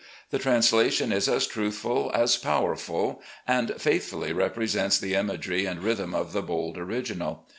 The translation is as truthful as powerful, and faithfully represents the imagery and rhythm of the bold original.